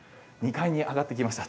２階に上がってきました。